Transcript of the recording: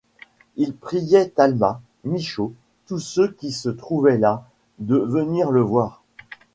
Il priait Talma, Michaud, tous ceux qui se trouvaient là, de venir le voir.